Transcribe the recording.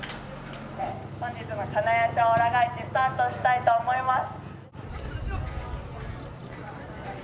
本日も金谷小おらが市スタートしたいと思います。